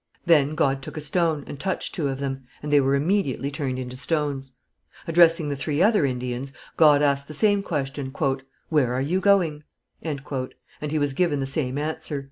Then God took a stone and touched two of them, and they were immediately turned into stones. Addressing the three other Indians, God asked the same question, "Where are you going?" and He was given the same answer.